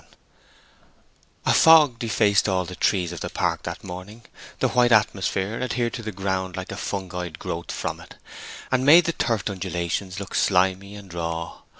VII A fog defaced all the trees of the park that morning, the white atmosphere adhered to the ground like a fungoid growth from it, and made the turfed undulations look slimy and raw.